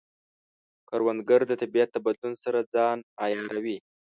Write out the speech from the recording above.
کروندګر د طبیعت د بدلون سره ځان عیاروي